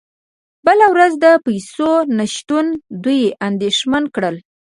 بله ورځ د پیسو نشتون دوی اندیښمن کړل